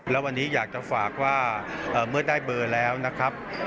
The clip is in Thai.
แล้ววันนี้อยากจะฝากว่าเมื่อได้เบอร์แล้วนะครับ